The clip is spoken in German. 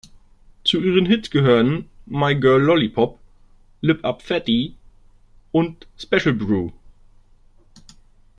Zu ihren Hits gehören: "My Girl Lollipop", "Lip Up Fatty" und "Special Brew".